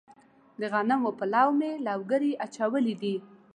د غنمو په لو مې لوګري اچولي دي.